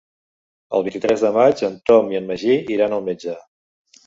El vint-i-tres de maig en Tom i en Magí iran al metge.